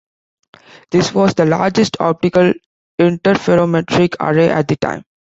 This was the largest optical interferometric array at the time.